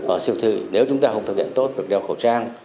ở siêu thị nếu chúng ta không thực hiện tốt việc đeo khẩu trang